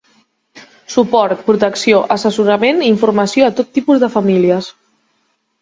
Suport, protecció, assessorament i informació a tots els tipus de famílies.